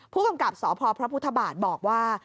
ผู้กำกับสพพบบอกว่า